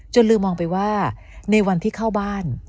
ลืมมองไปว่าในวันที่เข้าบ้าน